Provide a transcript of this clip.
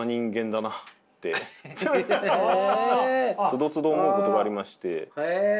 つどつど思うことがありまして。